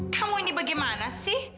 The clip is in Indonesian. kamu ini bagaimana sih